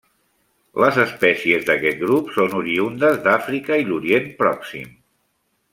Les espècies d'aquest grup són oriündes d'Àfrica i l'Orient Pròxim.